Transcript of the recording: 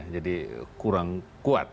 jadi kurang kuat